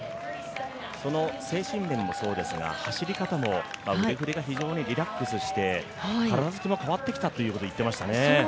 その精神面もそうですが走り方も、腕振りが非常にリラックスして、体つきが変わってきたということも言っていましたね。